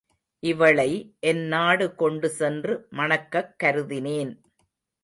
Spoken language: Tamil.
இவளை என் நாடு கொண்டு சென்று மணக்கக் கருதினேன்.